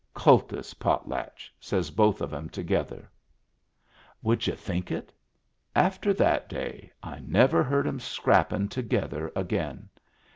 " Kultus potlatch! " says both of 'em together. Would y'u think it ?— after that day I never heard 'em scrappin' together again.